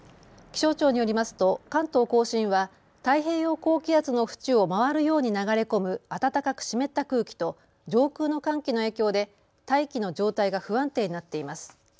気象庁によりますと関東甲信は太平洋高気圧の縁を回るように流れ込む暖かく湿った空気と上空の寒気の影響で大気の状態が不安定になっています。